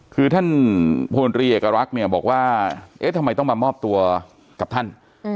คือท่านพลตรีเอกลักษณ์เนี่ยบอกว่าเอ๊ะทำไมต้องมามอบตัวกับท่าน